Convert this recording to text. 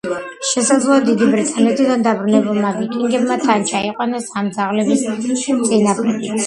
შესაძლოა დიდი ბრიტანეთიდან დაბრუნებულმა ვიკინგებმა თან ჩაიყვანეს ამ ძაღლების წინაპრებიც.